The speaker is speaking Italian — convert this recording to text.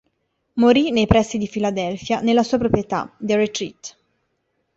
Morì nei pressi di Filadelfia nella sua proprietà, "The Retreat".